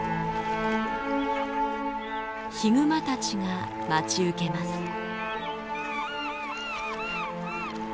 ヒグマたちが待ち受けます。